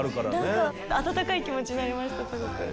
本当に何か温かい気持ちになりましたすごく。